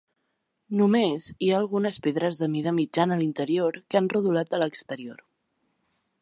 Només hi ha algunes pedres de mida mitjana a l'interior que han rodolat de l'exterior.